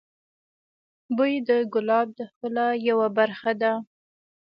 بوی د ګلاب د ښکلا یوه برخه ده.